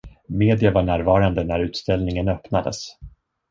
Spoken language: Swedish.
Media var närvarande när utställningen öppnades.